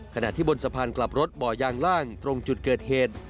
ขณะที่บนสะพานกลับรถบ่อยางล่างตรงจุดเกิดเหตุ